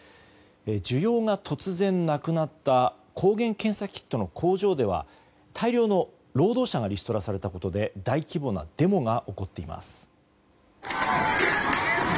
需要が突然なくなった抗原検査キットの工場では大量の労働者がリストラされたことで大規模なデモが起こっています。